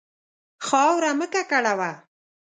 خاوره مه ککړوه.